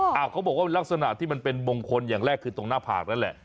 เขาบอกว่าลักษณะที่มันเป็นมงคลอย่างแรกคือตรงหน้าผากนั่นแหละ